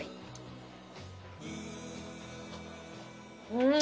うん！